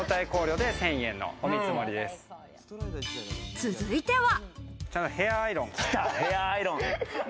続いては。